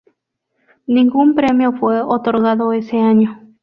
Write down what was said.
Ningún premio fue otorgado ese año.